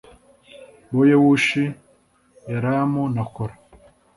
boyewushi yalamu na kora